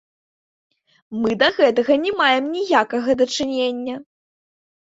Мы да гэтага не маем ніякага дачынення.